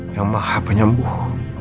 yang maha penyembuh